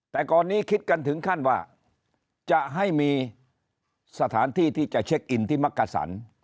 แต่ก่อนนี้คิดกันถึงขั้นว่าจะให้มีสถานที่ที่จะเช็คอินที่มักกะสัน